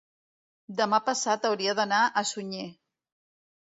demà passat hauria d'anar a Sunyer.